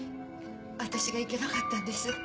私がいけなかったんです。